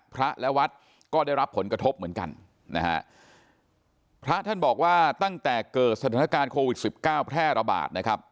พระและวัดก็ได้รับผลกระทบเหมือนกันนะฮะพระท่านบอกว่าตั้งแต่เกิดสถานการณ์โควิดสิบเก้าแพร่ระบาดนะครับ